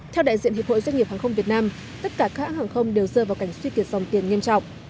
theo đại diện hiệp hội doanh nghiệp hàng không việt nam tất cả các hãng hàng không đều rơi vào cảnh suy kiệt dòng tiền nghiêm trọng